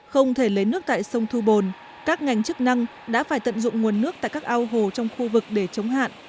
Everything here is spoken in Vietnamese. không thể lấy nước tại sông thu bồn các ngành chức năng đã phải tận dụng nguồn nước tại các ao hồ trong khu vực để chống hạn